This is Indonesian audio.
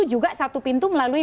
juga satu pintu melalui